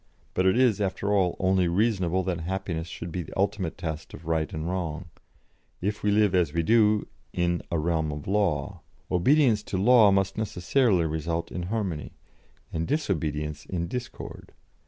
But it is, after all, only reasonable that happiness should be the ultimate test of right and wrong, if we live, as we do, in a realm of law. Obedience to law must necessarily result in harmony, and disobedience in discord.